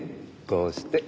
こうして。